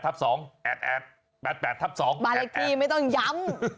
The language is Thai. ๘๘ทับ๒แอ๊ดแอ๊ดแอ๊ดบ้านเลขที่ไม่ต้องย้ำ